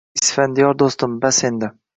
Isfandiyor doʻstim, bas endi